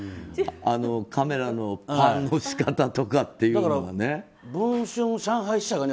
カメラのパンの仕方っていうのがね。